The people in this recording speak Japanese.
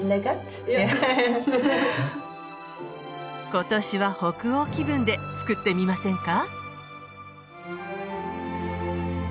今年は北欧気分で作ってみませんか？